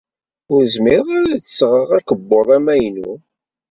Ur zmireɣ ad d-sɣeɣ akebbuḍ amaynu.